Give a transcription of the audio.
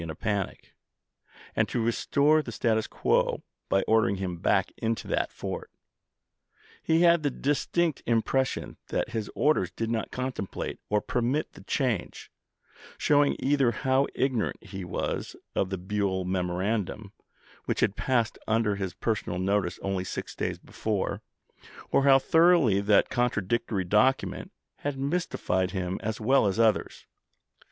cr' vol in a panic, and to restore the status quo by order ing him back into that fort. He had the distinct impression that his orders did not contemplate or permit the change, showing either how ignorant he was of the Buell memorandum, which had passed under his personal notice only six days before, or how thoroughly that contradictory document had mystified him as well as others.